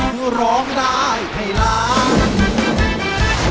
เพื่อร้องได้ให้ร้าน